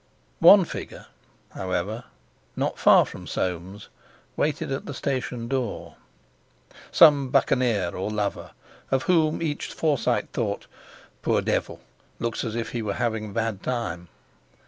One figure, however, not far from Soames, waited at the station door. Some buccaneer or lover, of whom each Forsyte thought: "Poor devil! looks as if he were having a bad time!"